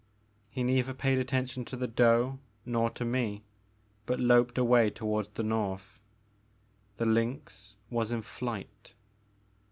He neither paid attention to the doe nor to me, but loped away toward the north. The lynx was in flight.